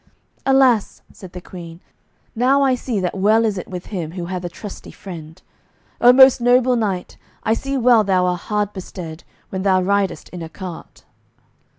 "Alas," said the Queen; "now I see that well is it with him who hath a trusty friend. Ah, most noble knight, I see well thou are hard bestead, when thou ridest in a cart."